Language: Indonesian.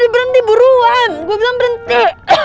berhenti buruan gue bilang berhenti